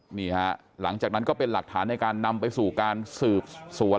นี่ฮะหลังจากนั้นก็เป็นหลักฐานในการนำไปสู่การสืบสวน